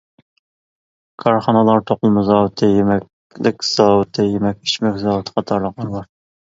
كارخانىلار توقۇلما زاۋۇتى، يېمەكلىك زاۋۇتى، يېمەك-ئىچمەك زاۋۇتى قاتارلىقلار بار.